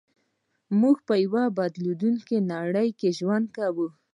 موږ په يوه بدلېدونکې نړۍ کې ژوند کوو.